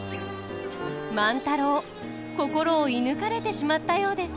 万太郎心を射ぬかれてしまったようです。